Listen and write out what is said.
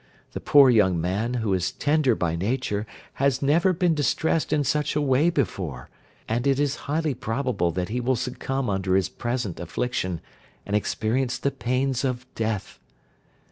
The poor young man, who is tender by nature, has never been distressed in such a way before, and it is highly probable that he will succumb under his present affliction, and experience the pains of death."